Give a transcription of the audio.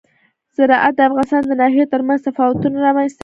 زراعت د افغانستان د ناحیو ترمنځ تفاوتونه رامنځ ته کوي.